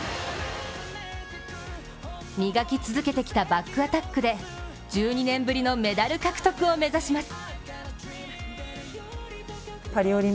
磨き続けてきたバックアタックで１２年ぶりのメダル獲得を目指します。